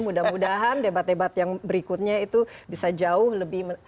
mudah mudahan debat debat yang berikutnya itu bisa jauh lebih